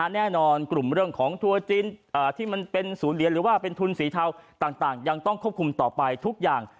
แน่นอนกลุ่มเรื่องของทัวร์จีนที่มันเป็นศูนย์เหรียญหรือว่าเป็นทุนสีเทาต่างยังต้องควบคุมต่อไปทุกอย่าง